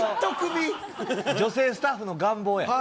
女性スタッフの願望や。